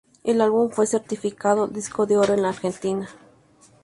El álbum fue certificado Disco de Oro en la Argentina.